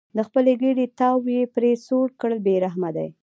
د خپلې ګېډې تاو یې پرې سوړ کړل بې رحمه دي.